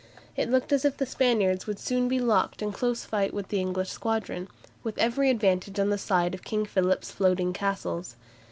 It looked as if the Spaniards would soon be locked in close fight with the English squadron, with every advantage on the side of King Philip's floating castles.